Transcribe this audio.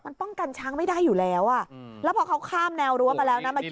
มันป้องกันช้างไม่ได้อยู่แล้วอ่ะแล้วพอเขาข้ามแนวรั้วไปแล้วนะเมื่อกี้